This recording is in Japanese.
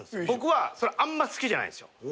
僕はそれあんま好きじゃないんですよ。